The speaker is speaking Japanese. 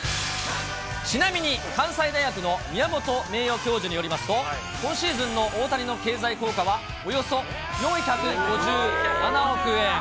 ちなみに、関西大学の宮本名誉教授によりますと、今シーズンの大谷の経済効果は、およそ４５７億円。